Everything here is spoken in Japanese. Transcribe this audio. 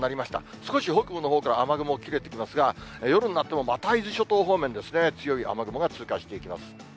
少し北部のほうから雨雲切れてきますが、夜になってもまた伊豆諸島方面ですね、強い雨雲が通過していきます。